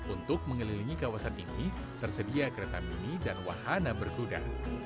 untuk mengelilingi kawasan ini tersedia kereta mini dan wahana berkuda